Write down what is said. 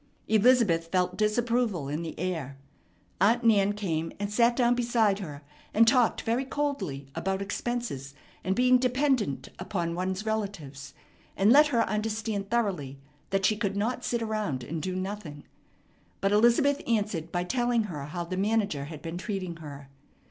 Elizabeth felt disapproval in the air. Aunt Nan came, and sat down beside her, and talked very coldly about expenses and being dependent upon one's relatives, and let her understand thoroughly that she could not sit around and do nothing; but Elizabeth answered by telling her how the manager had been treating her.